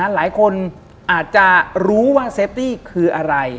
หลายคนอาจจะรู้ว่าเซฟตี้คืออะไร